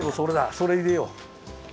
それいれよう！